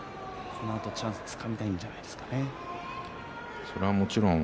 チャンスをつかみたいんじゃないですかね。